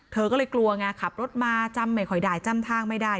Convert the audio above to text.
เธอก็เลยกลัวไงขับรถมาจำไม่ค่อยได้จำทางไม่ได้